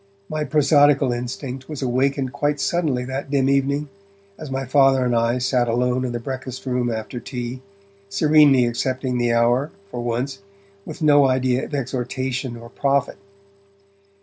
My prosodical instinct was awakened quite suddenly that dim evening, as my Father and I sat alone in the breakfast room after tea, serenely accepting the hour, for once, with no idea of exhortation or profit.